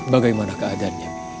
bagaimana keadaannya bi